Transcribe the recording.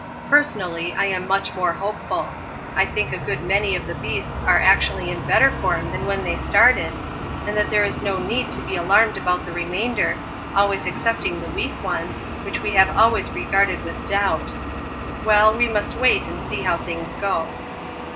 Personally I am much more hopeful. I think that a good many of the beasts are actually in better form than when they started, and that there is no need to be alarmed about the remainder, always excepting the weak ones which we have always regarded with doubt. Well, we must wait and see how things go.